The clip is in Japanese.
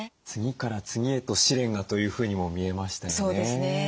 次から次へと試練がというふうにも見えましたよね。